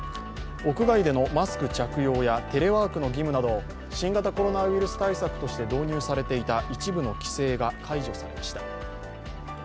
屋外でのマスク着用やテレワークの義務など新型コロナウイルス対策として導入されていた一部の規制が解除されました。